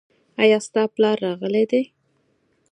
ایا ستا پلار راغلی دی ؟